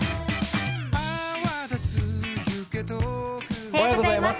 おはようございます。